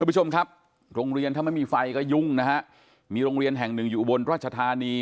ผู้ชมครับโรงเรียนถ้าไม่มีไฟก็ยุ่งนะฮะมีโรงเรียนแห่งหนึ่งอยู่อุบลราชธานี